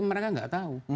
mereka gak tau